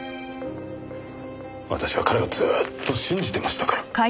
私は彼をずっと信じてましたから。